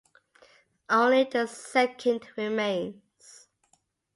Only the second remains.